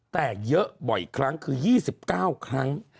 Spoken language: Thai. แต่เยอะบ่อยครั้งคือ๒๙ครั้ง